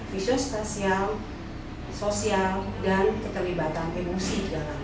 visual stasial sosial dan keterlibatan emosi